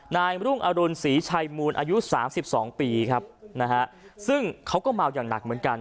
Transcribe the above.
นายรุ่งอรุณศรีชัยมูลอายุสามสิบสองปีครับนะฮะซึ่งเขาก็เมาอย่างหนักเหมือนกัน